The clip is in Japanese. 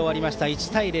１対０。